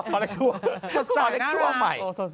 ก็คือต่อเล็กชั่วใหม่